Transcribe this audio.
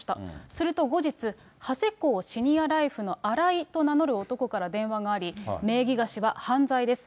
すると後日、ハセコウシニアライフのアライと名乗る男から電話があり、名義貸しは犯罪です。